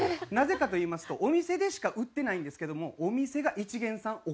なぜかといいますとお店でしか売ってないんですけどもお店がいちげんさん